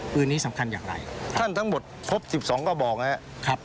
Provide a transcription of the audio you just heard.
ปืนนี้สำคัญอย่างไรท่านทั้งหมดพบ๑๒กระบอกนะครับ